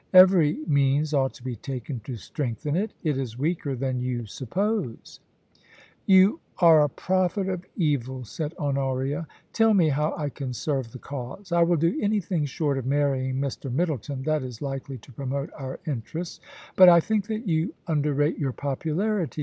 Every means ought to be taken to strengthen it — it is weaker than you suppose.' AN AUSTRALIAN EXPLORER. 77 * You are a prophet of evil/ said Honoria. * Tell me how I can serve the cause. I will do anything short of marrying Mr. Middleton that is likely to promote our interests. But I think that you underrate your popularity.